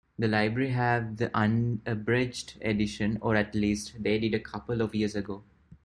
The library have the unabridged edition, or at least they did a couple of years ago.